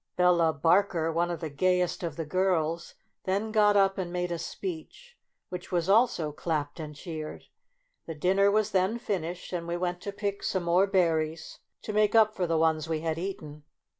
Bella Bar ker, one of the gayest of the girls, then got up and made a speech, which was also clapped and cheered. The dinner was then finished, and we went to pick some more berries to make up for the ones 32 MEMOIRS OF A we had eaten.